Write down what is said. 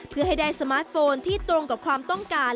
เพื่อให้ได้สมาร์ทโฟนที่ตรงกับความต้องการ